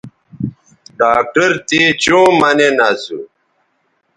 ڈاکٹر تے چوں مہ نین اسو